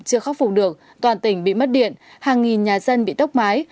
chưa khắc phục được toàn tỉnh bị mất điện hàng nghìn nhà dân bị tốc mái